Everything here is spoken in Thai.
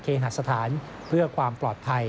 หัสสถานเพื่อความปลอดภัย